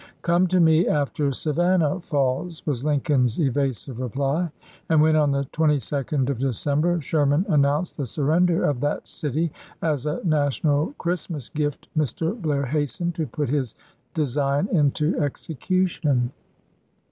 " Come to me after Savannah falls," was Lincoln's evasive reply ; and when, on the 22d of December, Sherman an nounced the surrender of that city as a National Christmas gift Mr. Blair hastened to put his de sign into execution.